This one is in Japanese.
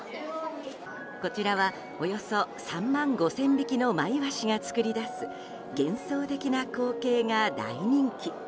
こちらはおよそ３万５０００匹のマイワシが作り出す幻想的な光景が大人気。